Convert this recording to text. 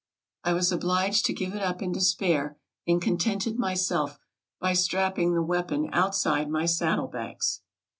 I was obliged to give it up in despair, and contented myself by strapping the weapon outside my saddle bags.